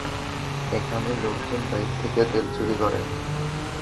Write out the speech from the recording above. এখানে লোকজন বাইক থেকে তেল চুরি করে।